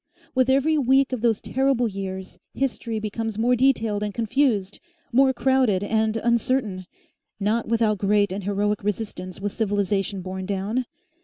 With every week of those terrible years history becomes more detailed and confused, more crowded and uncertain. Not without great and heroic resistance was civilisation borne down.